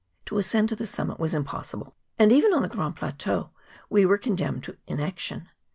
To ascend to the summit was impossible, and even on the Grand Plateau we were condemned to inaction.